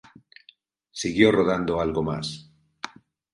Siguió rodando algo más.